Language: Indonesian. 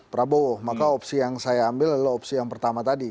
prabowo maka opsi yang saya ambil adalah opsi yang pertama tadi